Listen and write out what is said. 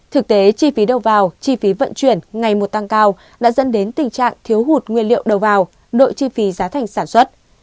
thực tế chi phí đầu vào chi phí vận chuyển ngày một tăng cao đã dẫn đến tình trạng thiếu hụt nguyên liệu đầu vào nội chi phí giá thành sản xuất